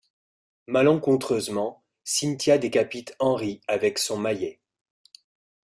Malencontreusement, Cynthia décapite Henry avec son maillet.